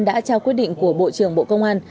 đã trao quyết định của bộ trưởng bộ công an